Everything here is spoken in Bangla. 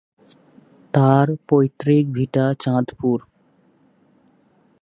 তার পৈতৃক ভিটা চাঁদপুর।